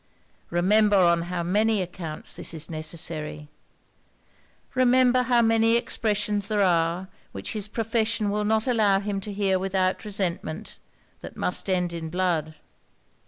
Remember on how many accounts this is necessary. Remember how many expressions there are which his profession will not allow him to hear without resentment, that must end in blood.